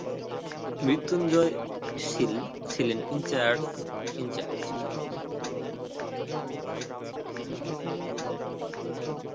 মৃত্যুঞ্জয় সিল ছিলেন incharge in charge.